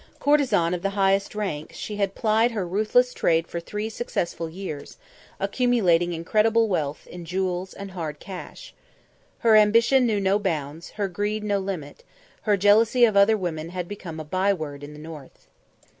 Courtesan of the highest rank, she had plied her ruthless trade for three successful years, accumulating incredible wealth in jewels and hard cash. Her ambition knew no bounds; her greed no limit; her jealousy of other women had become a by word in the north.